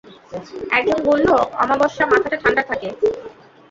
একজন বলল, অমাবস্যামাথাটা ঠাণ্ডা থাকে।